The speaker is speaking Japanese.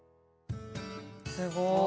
すごい。